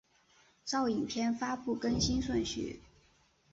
照影片发布更新顺序